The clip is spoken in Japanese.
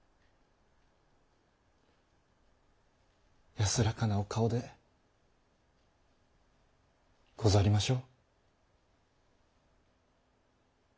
安らかなお顔でござりましょう？